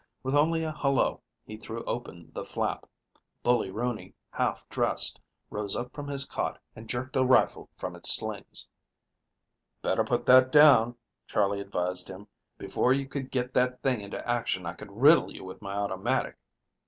With only a "Hello" he threw open the flap. Bully Rooney, half dressed, rose up from his cot and jerked a rifle from its slings. "Better put that down," Charley advised him. "Before you could get that thing into action I could riddle you with my automatic."